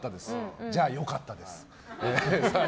じゃあ良かったです。